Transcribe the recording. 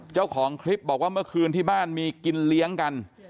เจ้าของคลิปบอกว่าเมื่อคืนที่บ้านมีกินเลี้ยงกัน